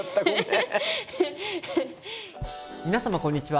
皆様こんにちは。